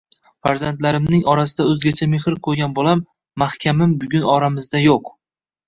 Farzandlarimning orasida o`zgacha mehr qo`ygan bolam Mahkamim bugun oramizda yo`q